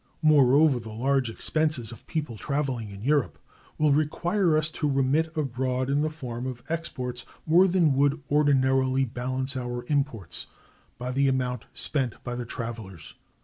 Moreover, the large expenses of people traveling in Europe will require us to remit abroad in the form of exports more than would ordinarily balance our imports by the amount spent by the travelers.